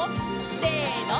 せの！